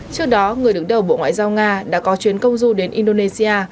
trước đó người đứng đầu bộ ngoại giao nga đã có chuyến công du đến indonesia